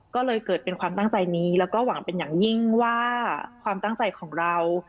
ก็เลยเกิดเป็นความตั้งใจนี้แล้วก็หวังเป็นอย่างยิ่งว่าความตั้งใจของเรา